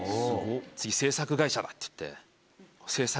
次制作会社だっていって。